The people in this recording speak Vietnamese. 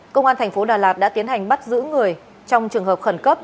công an thành phố đà lạt đã tiến hành bắt giữ người trong trường hợp khẩn cấp